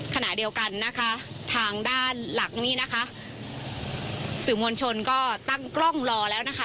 ขณะเดียวกันนะคะทางด้านหลังนี้นะคะสื่อมวลชนก็ตั้งกล้องรอแล้วนะคะ